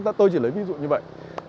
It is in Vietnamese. tôi chỉ lấy ví dụ như vậy